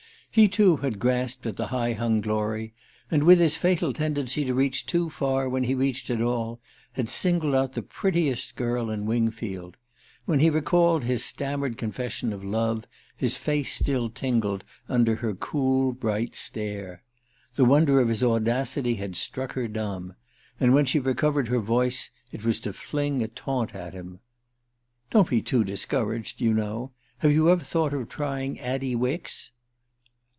He too had grasped at the high hung glory; and, with his fatal tendency to reach too far when he reached at all, had singled out the prettiest girl in Wingfield. When he recalled his stammered confession of love his face still tingled under her cool bright stare. The wonder of his audacity had struck her dumb; and when she recovered her voice it was to fling a taunt at him. "Don't be too discouraged, you know have you ever thought of trying Addie Wicks?"